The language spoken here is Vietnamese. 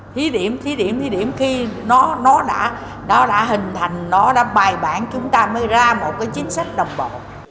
thí điểm thí điểm thí điểm khi nó đã hình thành nó đã bài bản chúng ta mới ra một cái chính sách đồng bộ